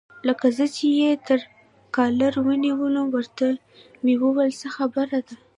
لکه زه چې یې تر کالر ونیولم، ورته مې وویل: څه خبره ده؟